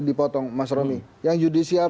dipotong mas romy yang judicial